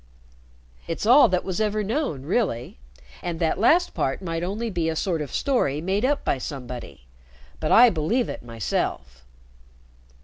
"It's all that was ever known really. And that last part might only be a sort of story made up by somebody. But I believe it myself."